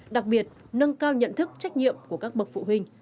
đặc biệt nâng cao nhận thức trách nhiệm của các bậc phụ huynh